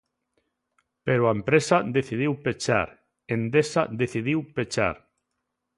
Pero a empresa decidiu pechar, Endesa decidiu pechar.